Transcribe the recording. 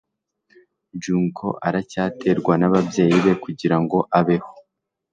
Junko aracyaterwa nababyeyi be kugirango abeho.